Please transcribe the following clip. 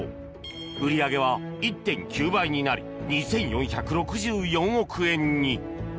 売り上げは１．９倍になり２４６４億円に！